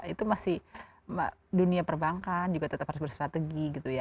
itu masih dunia perbankan juga tetap harus bersrategi gitu ya